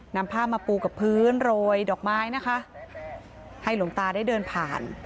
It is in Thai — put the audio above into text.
นำผ้ามาปูกับพื้นโรยดอกไม้นะคะให้หลวงตาได้เดินผ่าน